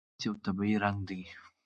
لتمس یو طبیعي رنګ دی.